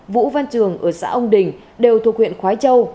vũ văn trường ở xã ông đình đều thuộc huyện khói châu